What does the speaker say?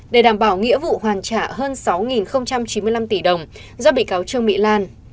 để đảm bảo nghĩa vụ hoàn trả hơn sáu chín mươi năm tỷ đồng do bị cáo trương mỹ lan